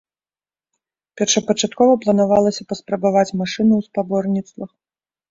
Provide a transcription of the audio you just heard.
Першапачаткова планавалася паспрабаваць машыну ў спаборніцтвах.